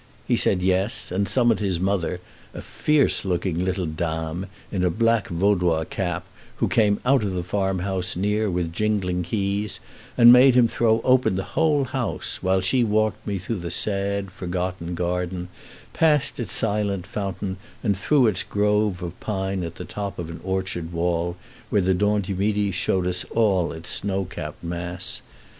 He said "Yes," and summoned his mother, a fierce looking little dame, in a black Vaudois cap, who came out of a farm house near with jingling keys, and made him throw open the whole house, while she walked me through the sad, forgotten garden, past its silent fountain, and through its grove of pine to the top of an orchard wall, where the Dent du Midi showed all its snow capped mass.